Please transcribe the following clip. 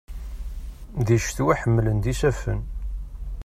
Di ccetwa, ḥemmlen-d yisaffen.